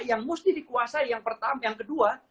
yang mesti dikuasai yang pertama yang kedua